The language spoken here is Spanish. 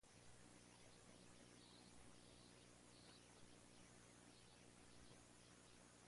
Una misma cuenca puede presentar una sucesión de cuestas más o menos numerosas.